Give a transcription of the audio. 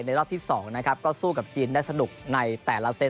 ในรอบที่สองก็สู้กับจีนได้สนุกในแต่ละเซ็ต